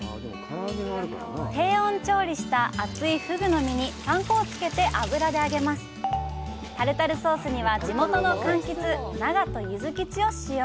低温調理した厚いフグの身にパン粉をつけて油で揚げますタルタルソースには地元のかんきつ「長門ゆずきち」を使用。